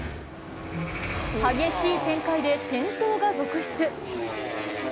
激しい展開で、転倒が続出。